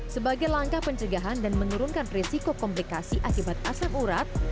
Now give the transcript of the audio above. sebagai langkah pencegahan dan menurunkan resiko komplikasi akibat asap urat